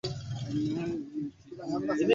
alikuwa mchezaji bora mfaransa mara tatu